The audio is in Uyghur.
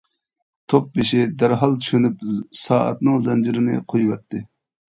توپ بېشى دەرھال چۈشىنىپ سائەتنىڭ زەنجىرىنى قۇيۇۋەتتى.